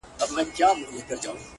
چي څه وکړم’ لوټمارې ته ولاړه ده حيرانه’